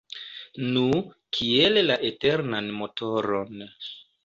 Nu, kiel la eternan motoron.